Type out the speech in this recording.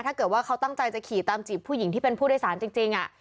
ถ้าเกิดว่าเขาตั้งใจจะขี่ตามจีบผู้หญิงที่เป็นผู้โดยสารจริง